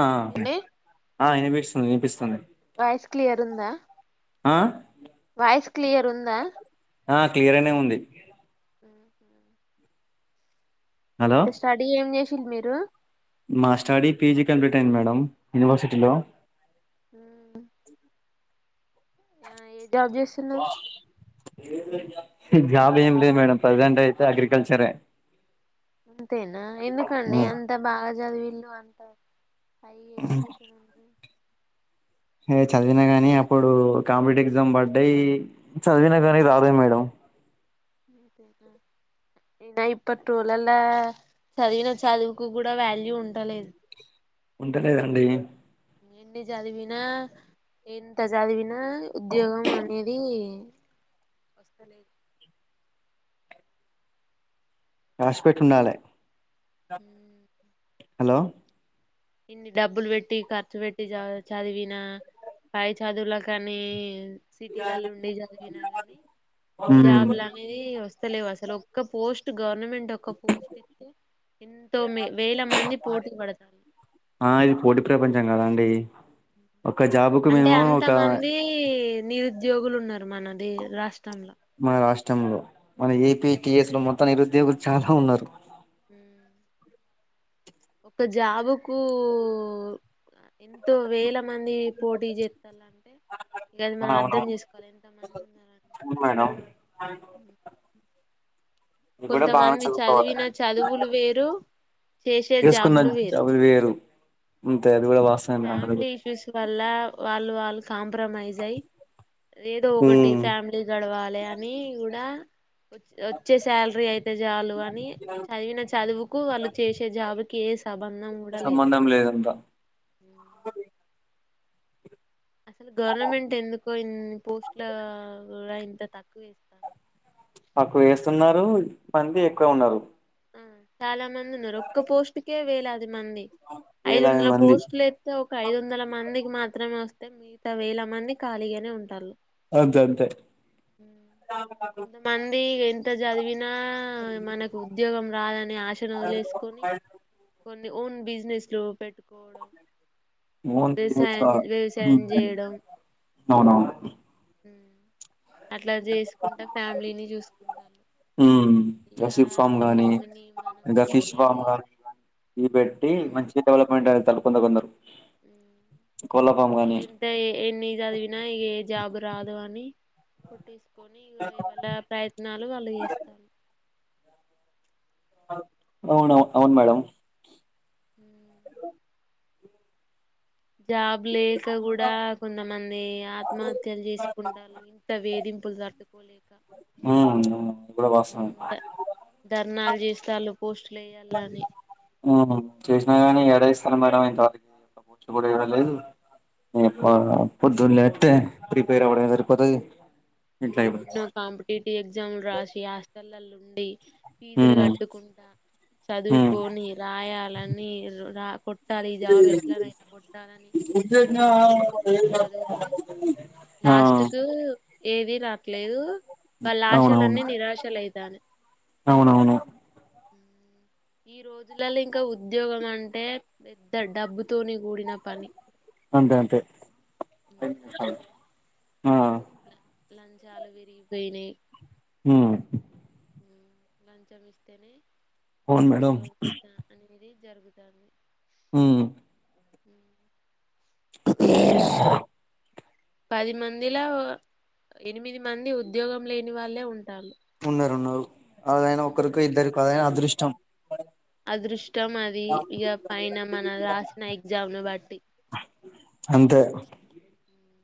ఆ ఏండి ఆ అనిపిపిస్తుంది వినిపిస్తుంది వాయిస్ క్లియరుందా ఆ వాయిస్ క్లియర్ ఉందా ఆ క్లియర్గానే ఉంది [inaudible] అయితే స్టడీ ఏం చేసి మీరు మాస్టర్డీ పీజీ కంప్లీట్ అయింది మేడం యూనివర్సిటీలో హ చేస్తున్నారు ఏది జాబ్ ఏం లేదు మేడం ప్రజెంట్ అయితే అగ్రికల్చరే అంతేనా ఎందుకండి అంత బాగా చదివిల్లు అంతా హై ఎడ్యుకేషన్ ఉంది ఏ చదివినా గానీ అప్పుడు కాంపిటేవ్ ఎగ్జామ్ పడ్డాయి చదివినా కానీ రాదుే మేడం అదద అయినా ఇప్ప టోలల చదివిన చదువుకు కూడా వాల్యూ ఉండలేదు ఉండలేదండి ఎన్ని చదివిన ఎంత చదివినా ఉద్యోగం అనేది వస్తలేదు రాసిపెట్టు ఉండాలి హ హలో ఇన్ని డబ్బులు పెట్టి ఖర్చు పెట్టి చ చదివిన కాయి చదువులా కానీ సిటీలలో ఉండి జరిగినా గాని జాబ్ మ్మ్ లు అనేది వస్తు వత్త లేవు అసలు ఒక్క పోస్ట్. గవర్నమెంట్ ఒక పోస్ట్ ఇతే వేల మంది పోటీ పడతారు. ఆ ఇది పోటీ ప్రపంచం కదండి. ఒక జాబుకు అంటే మినిమం అంత ఒక మంది నిరు. ఉద్యోగులు ఉన్నారు మనది రాష్ట్రంలో. రాష్ట్రం లో మన ఏపీటిఎస్ లో మొత్తం నిరుద్యోగులు చాలా ఉన్నారు. హ ఒక జాబుకు. ఎంతో వేల మంది పోటీ చేస్తున్నారు. గది అది మనం అర్థం అవునవును చేసుకోవాలి ఎంత మంది ఉన్నార. అవును మేడం [inaudible] ఇప్పుడు బాగా కొంతమంది చదివిన చదువుకోవాలి. చదువులు వేరు చేసే చేసుకున్న జాబులు అవి వేరు, హ్మ్. ఫ్యామిలీ ఇష్యూస్ వల్ల వాళ్ళు. కాంప్రమైజ్ అయి ఏదో ఒకటి ఉమ్ ఫ్యామిలీ గడవాలి అని కూడా. వచ్చే శాలరీ అయితే చాలు అని చదివిన చదువుకు వాళ్ళు చేసే జాబుకి. సంబంధం కూడా లేదు. లేదు అంతా. అసలు గవర్నమెంట్ ఎందుకో ఇన్ని పోస్ట్ల కూడా ఇంత తక్కువ వేస్తార. అప్పుడు వేస్తున్నారు, మంది ఎక్కువ ఉన్నారు. ఆ చాలా మంది ఉన్నారు ఒక్క పోస్ట్ కే వేలాది. మంది ఐదు వేలాది వందల మంది పోస్టులు ఎస్తతే ఒక ఐదు వందల మంది. మాత్రమే వస్తే మిగతా వేల మంది ఖాళీగానే ఉంటారు. అంతే అంతే. కొంతమంది ఎంత చదివినా మనకు. ఉద్యోగం రాదనే ఆశను వదిలేసుకొని కొన్ని ఓన్ బిజినెస్ లో. పెట్టుకోవడం. ఓన్ బిజినెస్ వ్యవసాయం, వ్యవసాయం చేయడం. అవునవును ఉమ్, అట్లా చేసుకుంటా. ఫ్యామిలీని చూసుకుంటాను ఇగ. కానీ మమ్మీని మనం ఈడ ఫిష్ ఎన్ని ఇగ ఫామ్ ఇ పెట్టి మంచి డెవలప్మెంట్ అ తలు. కొందగొందరు. [inaudible] కొట్టేసుకొని ఇగా ఎ వాళ ప్రయత్నాలు వాళ్ళు చేస్త. అవునువు అవును మేడం. జాబ్ లేక కూడా కొంతమంది ఆత్మహత్యలు చేసుకుంటారు ఇంత వేధింపు. [inaudible] హా ఇది కూడా వాస్తవమే. ద ధర్నాలు చేస్త వాళ్ళు పోస్టులు వేయాలని. చేసినా గాని ఎడ ఇస్తాను. మేడంమ్ ఇంత వాళ్ళకి కూర్చు కూడా ఇవ్వలేదు. ప్ప పొద్దున లేస్తే ప్రిపేర్ అవ్వడమే సరిపోద్ది. ఎన్నో కాంపిటేటివ్ ఎగ్జామ్లు రాసి హాస్టలలో ఉండి. ఫీజులు హ్మ్ కట్టుకుంటా, హ్మ్ చదువుకొని రాయాలని రా. కొట్టాలి ఈ జాబ్ ఎట్లా కొట్టాలని ఎంతో ఇంట్రెస్ట్ గురించి చదివితే. ఆ లాస్ట్ కు ఏది రాట్లేదు. వాళ్ళ అవునవును ఆశలన్నీ నిరాశలైతానేయ. అవునవును ఈ రోజులలో ఇంకా ఉద్యోగం అంటే పెద్ద డబ్బుతోని కూడిన పని. అంతే అంటే ఉమ్, ఆ. ల- లంచాలు పేరిగిపోయినాయి ఊ లంచం ఇస్తేనే అవును మేడం ఉద్యోగం ఇస్తా అనేది జరుగుతుంది ఊ అ [inaudible] పది మందిలా ఎనిమిది మంది ఉద్యోగం లేని వాళ్ళే ఉం ఉన్నారుర ఉన్నారు అదైనా ఒకరికి ఇద్దరికి అదైనా అదృష్టం అదృష్టం అది ఇగా పైన మన రాసిన ఎగ్జామ్ను బట్టి అంతే ఉమ్.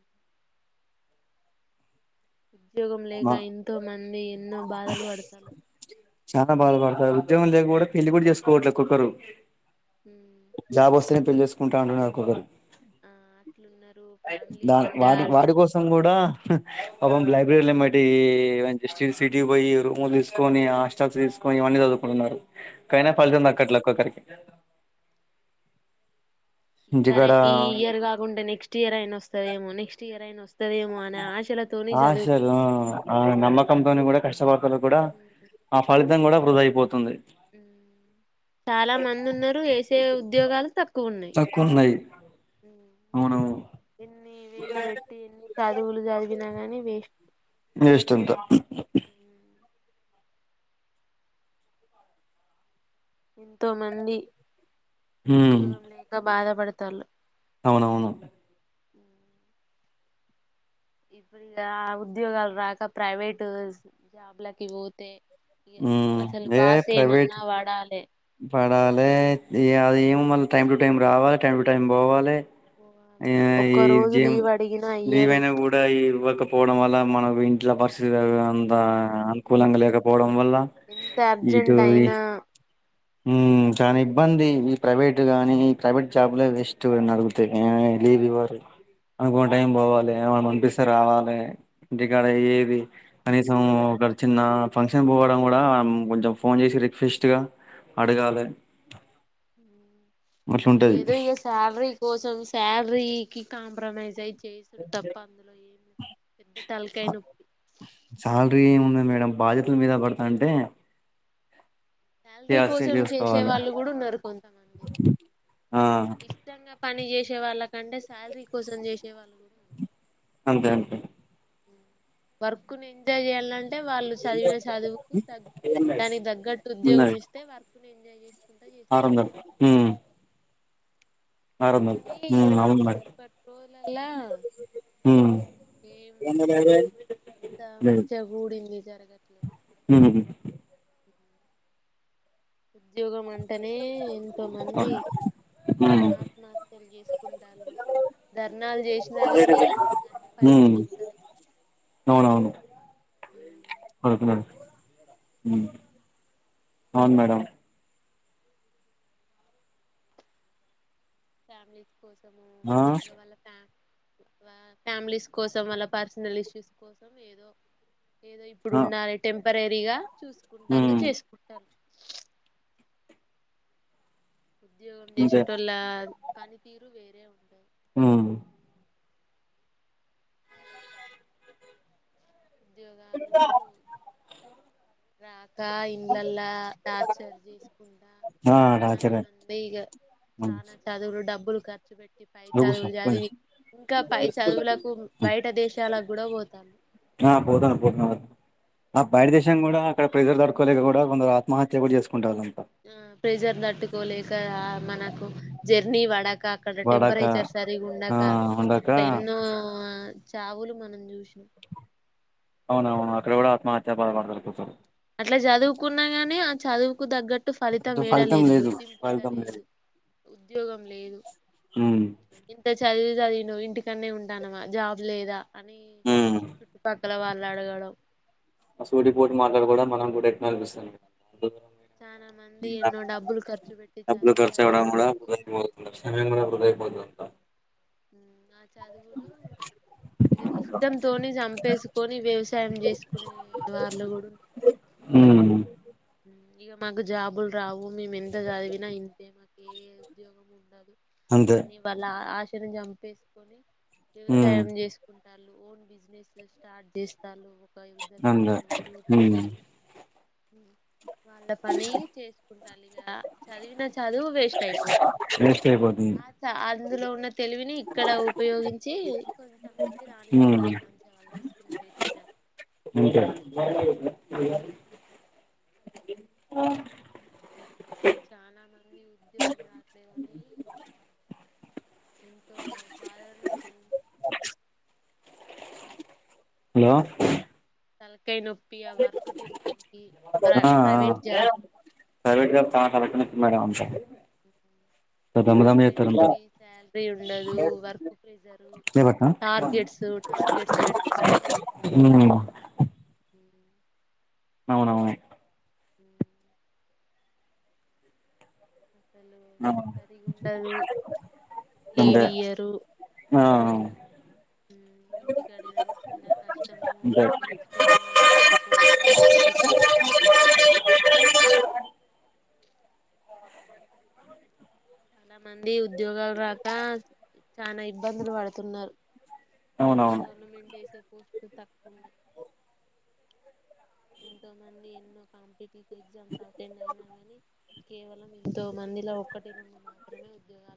ఉద్యోగం లేక మా ఎంతో మంది ఎన్నో బాధలు పడతారు చాలా బాధపడతారు ఉద్యోగం లేక కూడా పెళ్లి కూడా చేసుకోవట్లే ఒక్కొక్కరు ఊ పెళ్ళిచేకుంట అంటరు కొందరు ఆ అట్లున్నారు దా ఫ్యామిలీలా వాడి వాటి కోసం కూడా పాపం లు బట్టి ఈ సిటీకి పోయి రూమ్లు తీసుకొని హస్టల్స్ తీసుకొని ఇవన్నీ చదువుకుంటున్నారు కైనా ఫలితం దక్కట్లే ఒక్కొక్కరికి సరే ఇంటికాడ ఈ ఇయర్ కాకుంటే నెక్స్ట్ ఇయర్ అయిన వస్తదేమో నెక్స్ట్ ఇయర్ అయిన వస్తదేమో అని ఆశ తోని చదువుకు అ ఆ కనీ కూడా కష్ట పడేటోల్లకి కూడా ఆ ఫలితం కూడా వృధ అయిపోతుంది చాలా మంది ఉన్నారు వేసే ఉద్యోగాలు తక్కు తకున్నాయి ఎన్ని వెలు వెట్టి ఎన్ని చదువులు చదివినగాని అన్ని వేస్ట్ ఆ వెస్టింత ఎంతో మంది ఉమ్ ఉద్యోగం లేక బాధపడతాళ్లు అవునవును ఇప్పుడు ఉద్యోగాలు రాక ప్రైవేటు జాబ్లకి పోతే ఉమ్ అసలు బాస్ ఏమన్నా పడాలే పడాలి అది ఏమి మళ్ళ టైం టు టైం రావాలి టైం టు టైం పోవాలి ఆ ఒక్క ఈ రోజు నిజం లీవ్ అడిగినా ఇయ్యరు లీవైన కూడా ఇవ్వక పోవడం వల్ల మనకు ఇంట్లో పరిస్థితు అంతా అనుకూలంగా లేకపోవడం వల్ల ఎంత ఇటు అర్జెంట్ ఈ అయినా ఊ చాన ఇబ్బంది ప్రైవేట్ గానీ ప్రైవేట్ జాబ్ లే వేస్ట్ నన్నుఅడిగుతే లీవ్ ఇవ్వారు అనుకో టైం పోవాలే అనిపిస్తుంది రావాలి ఇంటి కాడ ఏది కనీసం ఒక చిన్న ఫంక్షన్ పోవడం కూడా కొంచెం ఫోన్ చేసి రిక్వెస్ట్గా అడగాలె ఏదో ఇగా శాలరీ కోసం శాలరీకి కాంప్రమైజ్ అయి చేస్త తప్ప ఏం పెద్ద తలకాయ నొప్పి సాలరీ ఏం ఉండాది మే బాధ్యతల మీద పడుతాంటే శాలరీ కోసం చేసే చేసుకోవాలి వాళ్ళు కూడా ఉన్నారు కొంతమంది ఆ ఇష్టంగా పని చేసే వాళ్ళకంటే శాలరీ కోసం చేసే వాళ్ళు కూడా ఉన్నారు అంతే అంతే వర్కుని ఎంజాయ్ చేయాలాంటే అ వాళ్ళు చదివిన చదువుకు దానికి తగ్గట్టు ఉద్యోగం ఉన్నది ఇస్తే వర్క్ ఎంజాయ్ చేస్తరూ ఆరు వందలు ఆరు వందలు కానీ ఉమ్ అవును మరి ఇప్పటి రోజుల్లాల ఉమ్ ఏం అంత మంచిగా గుడింది జరగట్లే హు హు ఉద్యోగం అంటనే ఎంతో మంది అవును ఉమ్ ఆత్మహత్యలు చేసుకుంటళ్ళు ధర్నాలు చేసినా గాని దానికి ఫలితం ఉంటలే అవున ఆహా అవును మేడం ఫ్యామిలీ కోసము ఆ ఇక వాళ్ళ ఫ్యా ఫ్యామిలీస్ కోసం వాళ్ళ పర్సనల్ ఇష్యూస్ కోసం ఏదో ఏదో ఇప్పుడు ఆ ఉండాలి టెంపరరీగా చూసుకుంటారు ఉమ్ చేసుకుంటారు. ఉద్యోగం అంతే చేసేటో లా పనితీరు వేరే ఉంటాయి. ఊ ఉద్యోగాలు ఇంకా రాక ఇండ్లలా టార్చర్ చేసుకుంటా, ఆ రాజాగారు చానామంది ఈ చానా ఆ చదువుకు డబ్బులు ఖర్చు పై కూసో చదువులు పోయి చదివి ఇంకా పై చదువులకు ఉమ్, బయట దేశాలకు కూడా పోతాళ్ళు, ఆ పోతాన్నాం ఆ బయట దేశం కూడా అక్కడ ప్రెజర్ తట్టుకోలేక కూడా కొందరు ఆత్మహత్య కూడా చేసుకుంటాళ్ళు ఆ ప్రెజర్ తట్టుకోలేక మనకు జర్నీ పడక అక్కడ వాడాక టెంపరేచర్ సరిగా ఆ ఉండక ఉండక అట్లా ఎన్నో చావులు మనం చూసినాం, అవునవు అక్కడ కూడా ఆత్మహత్యా పలు పడతారు కొంచెం ఇట్లా చదువుకున్నా గాని ఆ చదువుకు తగ్గట్ అట్టు ఫలితం ఏడ లేదు గుర్తింపు ఏడ లేదు ఉద్యోగం లేదు, ఉమ్ ఇంత చదువు చదివిను ఇంటి కనే ఉంటానమా జాబ్ లేదా అని ఉమ్. చుట్టుపక్క పక్కల వాళ్ళు అడగడం ఆ సూటి పోటి మాట్లాలు కూడా మనం కూడా ఎక్కువ ఉమ్, ఆనిపిస్తుాంది. చాలా మంది ఎన్నో డబ్బులు ఖర్చు పెట్టి డబ్బులు చదివి ఆ ఖర్చువడం కూడా చదువుకు వృధాపోతు సమయం కూడా వృదయిపోతుంది. ఆ చదువులు ఇష్టంతోని చంపేసుకొని వ్యవసాయం చేసుకునే వాళ్లో కూడా ఉ ఊ ఇగా మాకు జాబులు రావు మేము ఎంత చదివినా ఇంతే మాకు ఉద్యోగం ఉండదు అంతే అని వాళ్ళ ఆశ చంపి వేసుకొని ఉమ్ వ్యవసాయం చేసుకుంటారు ఓన్ బిజినెస్ స్టార్ట్ చేస్తారు. ఇద్దరు అంతే ముగ్గులు ఉమ్ వాళ్ళ పని చే చాలుగా చదివిన చదువు వేస్ట్ అయిపోతుంది వేస్ట్ అయిపోతుంది చాలిగా అందులో ఉన్న తెలివిని ఇక్కడ ఉపయోగించి కొంతమంది ఉమ్ రాణించుతలు మంచిగా వాళ్ళు తీసుకు [unintelligible] [unintelligible] చాలా మంది ఉద్యోగం రాట్లేదని ఎంతో బాధలను అనుభవించుతున్నారు. హాలో పెయి నొప్పి ఆ వర్క్ టెన్షన్ కి ప్రై ఆ ప్రైవేట్ ఆ జాబ్ ప్రైవేట్ జాబ్ చాలా కరెక్ట్నెస్ మేడం అమ్ముతాలే ఉహు తలకాయ చేత్తారంతా నొప్పి శ్యాలరీ ఉండదు వర్క్ ప్రెజర్ లేవట్నా టార్గెట్స్ టార్గెట్స్ పెట్టడం ఉమ్ అవునవును హ్మ్ అసలు ఆ సరిగా ఉండదు లీవ్ అంతే ఇయ్యరు ఆ [inaudible] ఇంటికాడ ఏదన్నా చిన్న కష్టము అంతే ఏదన్నా నష్టము వచ్చినా పోదాం అన్న చూడనివ్వరు [inaudible] కొంతమంది ఉద్యోగాలు రాక చానా ఇబ్బందులు పడుతున్నారు అవునవును గవర్నమెంట్ ఏసే పోస్ట్లు తక్కువ ఉన్నాయి ఎంతో మంది ఎన్నో కాంపిటీ ఎగ్జామ్స్ అటెండ్ అయినా గాని కేవలం ఎంతో మందిలో ఒక్కటి రెండు మాత్రమే ఉద్యోగాలు